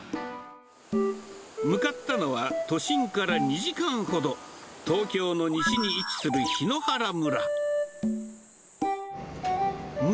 向かったのは、都心から２時間ほど、東京の西に位置する檜原村。